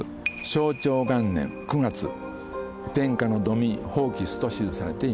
「正長元年九月天下の土民蜂起す。」と記されています。